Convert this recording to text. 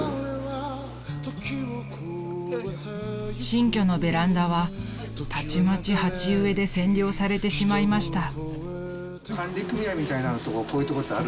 ［新居のベランダはたちまち鉢植えで占領されてしまいました］